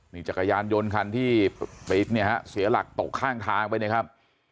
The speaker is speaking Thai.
นี่จักรยานยนต์คันที่ไปเนี่ยฮะเสียหลักตกข้างทางไปนะครับ